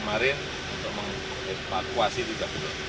kemarin untuk mengevakuasi tiga puluh orang